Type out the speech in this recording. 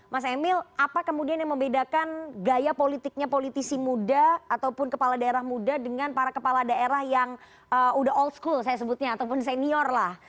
mas emil apa kemudian yang membedakan gaya politiknya politisi muda ataupun kepala daerah muda dengan para kepala daerah yang udah old school saya sebutnya ataupun senior lah